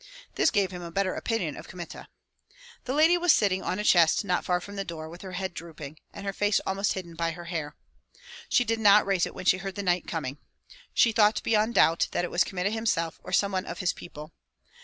This gave him a better opinion of Kmita. The lady was sitting on a chest not far from the door, with her head drooping, and her face almost hidden by her hair. She did not raise it when she heard the knight coming. She thought beyond doubt that it was Kmita himself or some one of his people.